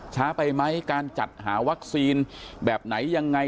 ช้าไปไหมการจัดหาวัคซีนแบบไหนยังไง